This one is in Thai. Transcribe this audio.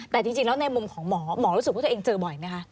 แต่จริงแล้วในมุมของหมอหมอรู้สึกว่าตัวเองเจอบ่อยไหมคะ